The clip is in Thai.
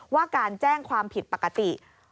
ว่าการแจ้งความผิดปกติ